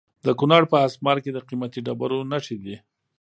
د کونړ په اسمار کې د قیمتي ډبرو نښې دي.